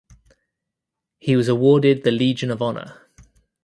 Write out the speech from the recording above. He was awarded the Legion of Honour.